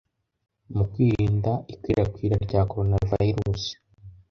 mu kwirinda ikwirakwira rya coronavirus